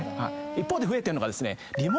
一方で増えてるのが。